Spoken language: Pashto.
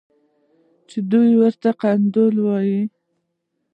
چې دوى ورته قنديل ويل.